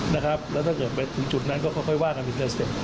แล้วถ้าเกิดไปถึงจุดนั้นก็ค่อยว่ากันถึงจะเสร็จ